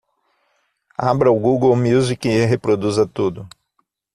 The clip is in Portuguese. Abra o Google Music e reproduza tudo.